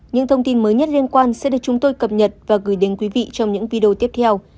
những thông tin mới nhất liên quan sẽ được chúng tôi cập nhật và gửi đến quý vị trong những video tiếp theo